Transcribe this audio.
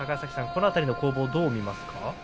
この辺りの攻防どう見ますか。